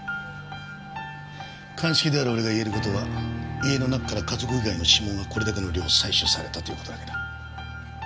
鑑識である俺が言える事は家の中から家族以外の指紋がこれだけの量採取されたという事だけだ。